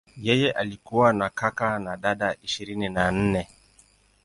Yeye alikuwa na kaka na dada ishirini na nne.